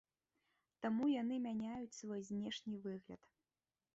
Таму яны мяняюць свой знешні выгляд.